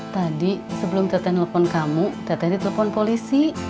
tadi sebelum teteh nelfon kamu teteh ditelepon polisi